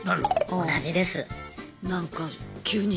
同じです。